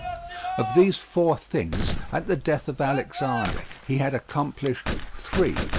Of these four things, at the death of Alexander, he had accomplished three.